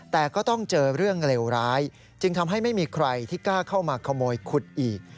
แต่ก็ต้องเจอเรื่องเลวร้ายจึงทำให้ไม่มีใครที่กล้าเข้ามาขโมยขุดอีก